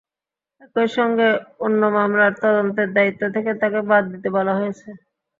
একই সঙ্গে অন্য মামলার তদন্তের দায়িত্ব থেকে তাঁকে বাদ দিতে বলা হয়েছে।